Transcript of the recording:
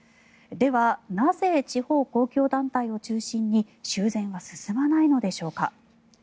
では、なぜ地方公共団体を中心に修繕は進まないのでしょうか。